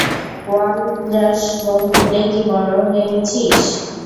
Walrus গোঁফ উঠলেই কি বড় হয়ে গেছিস?